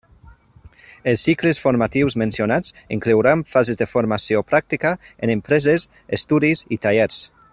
Els cicles formatius mencionats inclouran fases de formació pràctica en empreses, estudis i tallers.